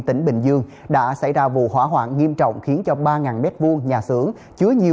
tỉnh bình dương đã xảy ra vụ hỏa hoạn nghiêm trọng khiến cho ba m hai nhà xưởng chứa nhiều